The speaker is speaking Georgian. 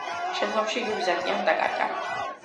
შემდგომში იგი ბიზანტიამ დაკარგა.